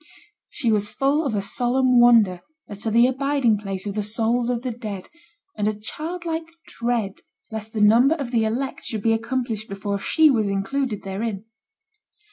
She was full of a solemn wonder as to the abiding place of the souls of the dead, and a childlike dread lest the number of the elect should be accomplished before she was included therein.